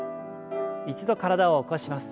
一度体を起こします。